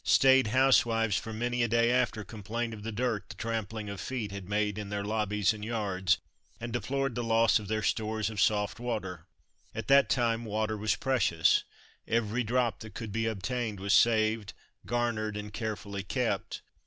Staid housewives for many a day after complained of the dirt the trampling of feet had made in their lobbies and yards, and deplored the loss of their stores of soft water. At that time water was precious, every drop that could be obtained was saved, garnered, and carefully kept.